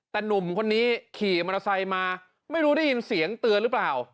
แต่หนุ่มคนนี้ขี่มอเตอร์ไซค์มาไม่รู้ได้ยินเสียงเตือนหรือเปล่า